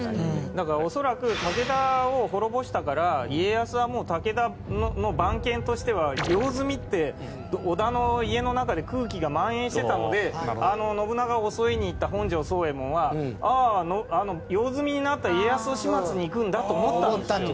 だから恐らく武田を滅ぼしたから家康はもう武田の番犬としては用済みって織田の家の中で空気が蔓延してたので信長を襲いに行った本城惣右衛門はあああの用済みになった家康を始末に行くんだと思ったんですよ。